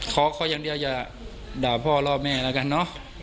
ขอเขาอย่างเดียวอย่าด่าพ่อรอบแม่แล้วกันเนอะ